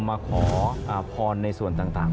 มาขอพรในส่วนต่าง